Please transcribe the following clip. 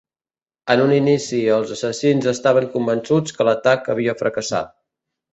En un inici, els assassins estaven convençuts que l'atac havia fracassat.